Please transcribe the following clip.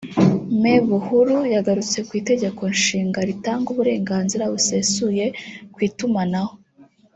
Me Buhuru yagarutse ku Itegeko Nshinga ritanga uburenganzira busesuye ku itumanaho